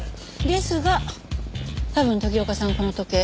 ですが多分時岡さんはこの時計